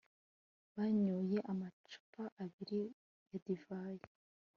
banyoye amacupa abiri ya divayi